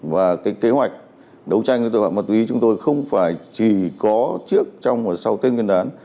và cái kế hoạch đấu tranh với tội phạm ma túy chúng tôi không phải chỉ có trước trong và sau tết nguyên đán